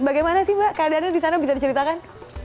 bagaimana sih mbak keadaannya di sana bisa diceritakan